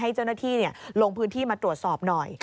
ให้เจ้าหน้าที่ลงพื้นที่มาตรวจสอบหน่อย